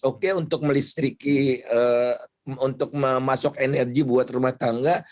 oke untuk melistriki untuk memasok energi buat rumah tangga